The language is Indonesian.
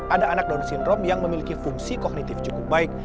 ada anak down syndrome yang memiliki fungsi kognitif cukup baik